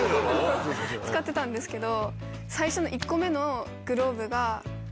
使ってたんですけど。